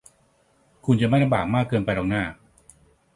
คุณจะไม่ลำบากมากเกินไปหรอกน่า